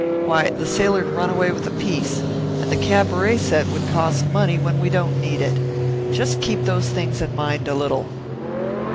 Why, the sailor'd run away with the piece. And that cabaret set would cost money when we don't need it just keep those things in mind a little."